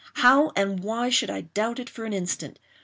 How and why should I doubt it for an instant.